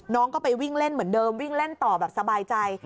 น้องก็ไปวิ่งเล่นเหมือนเดิมวิ่งเล่นต่อแบบสบายใจ